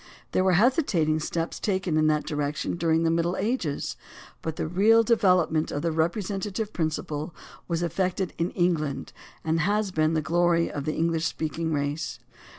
There were hesitating steps taken in that direction during the Middle Ages, but the real development of the repre sentative principle was effected in England and has been the glory of the English speaking race.